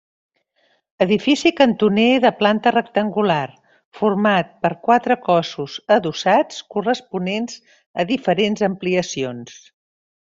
Edifici cantoner de planta rectangular, format per quatre cossos adossats, corresponents a diferents ampliacions.